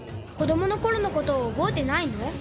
子供の頃のことを覚えてないの？